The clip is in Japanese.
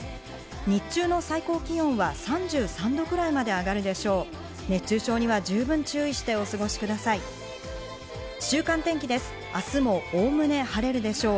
日中の最高気温は３３度くらいまで上がるでしょう。